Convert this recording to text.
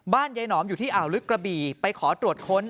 ยายหนอมอยู่ที่อ่าวลึกกระบี่ไปขอตรวจค้น